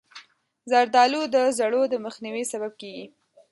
زردالو د زړو د مخنیوي سبب کېږي.